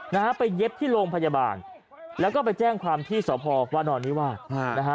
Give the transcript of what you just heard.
นะฮะไปเย็บที่โรงพยาบาลแล้วก็ไปแจ้งความที่สพวานอนนิวาสนะฮะ